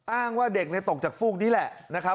อ้างว่าเด็กนี่ตกจากพูกนี่แหละ